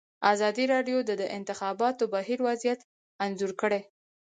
ازادي راډیو د د انتخاباتو بهیر وضعیت انځور کړی.